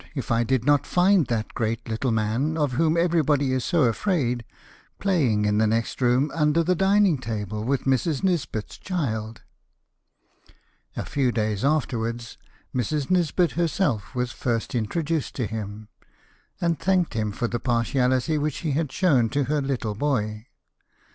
if I did not find that great little man, of whom everybody is so afraid, playing in the next room, under the dining table, with Mrs. Nisbet's child !" A few days afterwards Mrs. Nisbet herself was first introduced to him, and thanked him for the partiality which he had shown to her Httle boy.